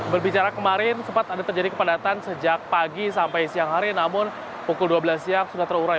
berbicara kemarin sempat ada terjadi kepadatan sejak pagi sampai siang hari namun pukul dua belas siang sudah terurai